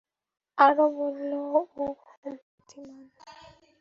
আর বললো ও খুব বুদ্ধিমান।